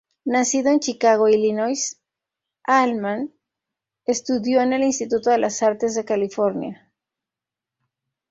Nacido en Chicago, Illinois, Allman estudió en el Instituto de las Artes de California.